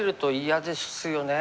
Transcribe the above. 嫌です。